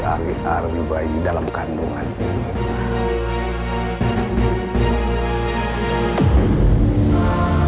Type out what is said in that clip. hari hari bayi dalam kandungan ini